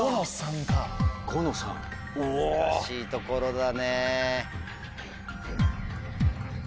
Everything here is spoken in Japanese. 難しいところだね。